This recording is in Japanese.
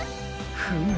フム。